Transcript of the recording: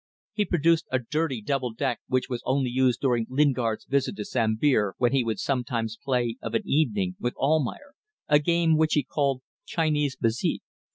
He produced a dirty double pack which was only used during Lingard's visit to Sambir, when he would sometimes play of an evening with Almayer, a game which he called Chinese bezique.